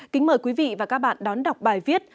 kính mời quý vị và các bạn đón đọc bài viết